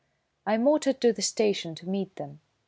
I motored to the station to meet them.